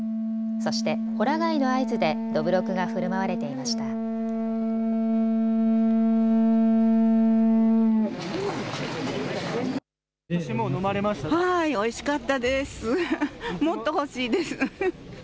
そしてホラ貝の合図でどぶろくがふるまわれていました。